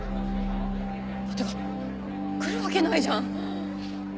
ってか来るわけないじゃん。